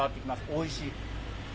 おいしい。